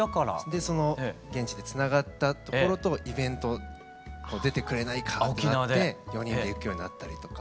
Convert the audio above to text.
でその現地でつながったところと「イベント出てくれないか」ってなって４人で行くようになったりとか。